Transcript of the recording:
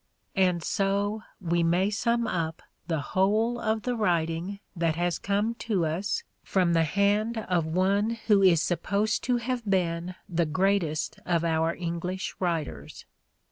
And so we may sum up the whole of the writing that has come to us from the hand of one who is supposed to have been the greatest of our English writers.